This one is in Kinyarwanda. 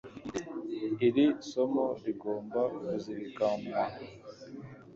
Iri somo rigomba kuzirikanwa.